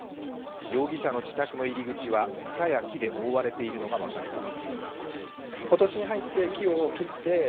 容疑者の自宅の入り口は草や木で覆われているのが分かります。